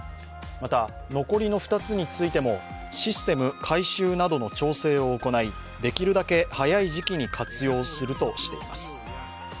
また、残りの２つについても、システム改修などの調整を行いできるだけ早い時期に活用するとしています。